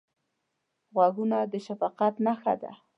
غوږونه د شفقت نښه ده